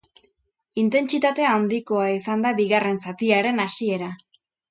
Intentsitate handikoa izan da bigarren zatiaren hasiera.